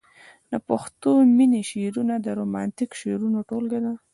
د پښتو مينې شعرونه د رومانتيک شعرونو ټولګه ده.